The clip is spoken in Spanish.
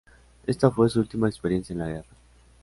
Esta fue su última experiencia en la guerra.